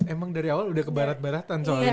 emang dari awal udah ke baratan soalnya